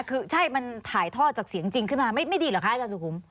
คือใช่มันถ่ายทอดจากเสียงจริงขึ้นมาไม่ดีเหรอคะอาจารย์สุขุม